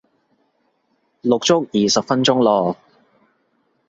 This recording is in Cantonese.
錄足二十分鐘咯